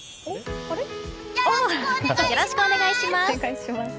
よろしくお願いします！